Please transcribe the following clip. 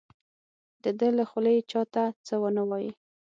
د ده له خولې چا ته څه ونه وایي.